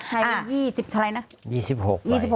ให้ปะ๒๐ตัวไรแน่ะ